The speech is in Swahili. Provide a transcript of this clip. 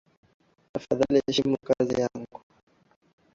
Tafadhali heshimu kazi yangu